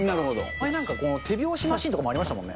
前なんか、手拍子マシンとかありましたもんね。